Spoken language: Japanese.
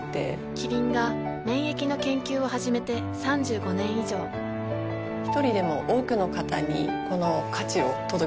キリンが免疫の研究を始めて３５年以上一人でも多くの方にこの価値を届けていきたいと思っています。